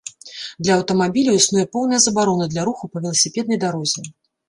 Для аўтамабіляў існуе поўная забарона для руху па веласіпеднай дарозе.